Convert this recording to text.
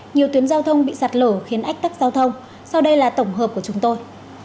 nhiều tuyến giao thông bị sạt lở khiến ách tắc giao thông sau đây là tổng hợp của chúng tôi